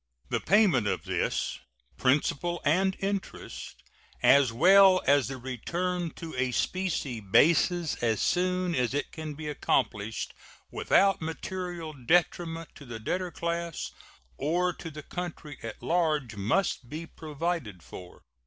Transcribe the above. The payment of this, principal and interest, as well as the return to a specie basis as soon as it can be accomplished without material detriment to the debtor class or to the country at large, must be provided for.